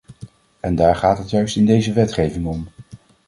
En daar gaat het juist in deze wetgeving om.